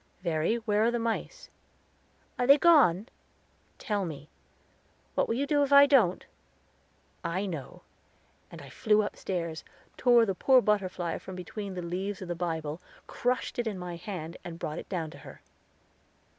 "Verry, where are the mice?" "Are they gone?" "Tell me." "What will you do if I don't?" "I know," and I flew upstairs, tore the poor butterfly from between the leaves of the Bible, crushed it in my hand, and brought it down to her.